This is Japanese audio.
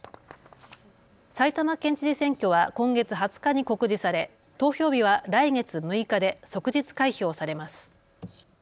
埼玉県知事選挙は今月２０日に告示され投票日は来月６日で即日開票されます。